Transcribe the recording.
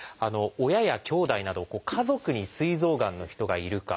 親やきょうだいなど家族にすい臓がんの人がいるか。